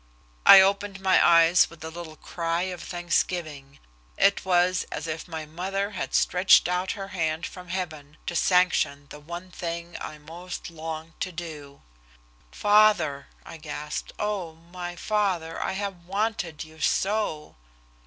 I opened my eyes with a little cry of thanksgiving. It was as if my mother had stretched out her hand from heaven to sanction the one thing I most longed to do. "Father!" I gasped. "Oh, my father, I have wanted you so."